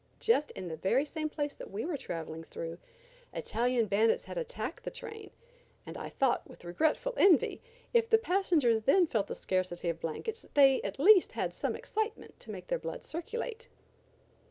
Just in the very same place that we were traveling through Italian bandits had attacked the train and I thought, with regretful envy, if the passengers then felt the scarcity of blankets they at least had some excitement to make their blood circulate.